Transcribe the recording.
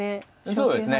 そうですね。